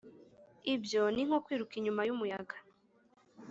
Ibyo ni nko kwiruka inyuma y’umuyaga